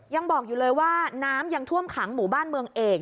ยังบอกอยู่เลยว่าน้ำยังท่วมขังหมู่บ้านเมืองเอก